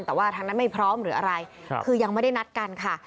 แต่ว่าทางนั้นไม่พร้อมหรืออะไรคือยังไม่ได้นัดกันค่ะ